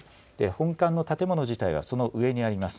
本館の建物自体はその上にあります。